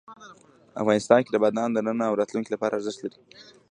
افغانستان کې بادام د نن او راتلونکي لپاره ارزښت لري.